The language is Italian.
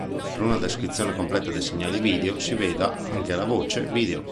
Per una descrizione completa dei segnali video si veda anche la voce video.